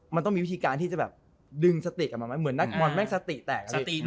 มันต้องมีวิธีการที่จะแบบดึงสติกออกมามองแม้งสติแตก